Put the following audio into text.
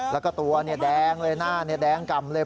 แล้วก็ตัวแดงเลยหน้าแดงก่ำเลย